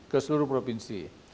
ke seluruh provinsi